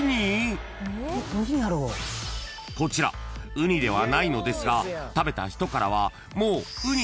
［こちらウニではないのですが食べた人からは］